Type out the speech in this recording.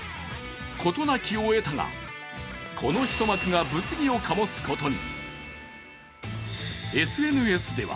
事なきを得たが、この一幕が物議を醸すことに。